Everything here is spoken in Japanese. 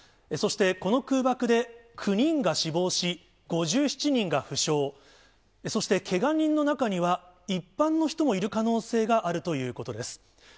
そしてこの空爆で９人が死亡し、５７人が負傷、そしてけが人の中には一般の人もいる可能性があるということです。